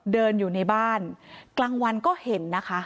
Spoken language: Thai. เดินอยู่ในบ้านกลางวันก็เห็นนะคะ